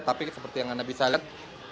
tapi seperti yang anda bisa lihat